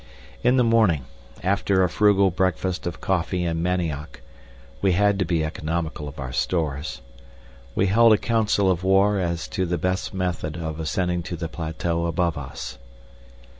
In the morning, after a frugal breakfast of coffee and manioc we had to be economical of our stores we held a council of war as to the best method of ascending to the plateau above us.